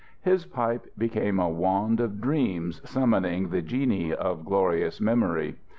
His pipe became a wand of dreams summoning the genii of glorious memory.